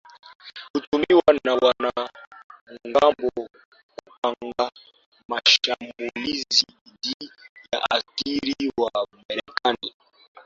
hutumiwa na wanamgambo kupanga mashambulizi dhidi ya askari wa marekani